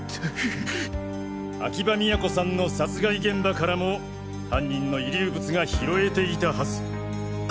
秋葉都さんの殺害現場からも犯人の遺留物が拾えていたはず。